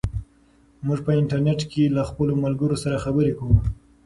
موږ په انټرنیټ کې له خپلو ملګرو سره خبرې کوو.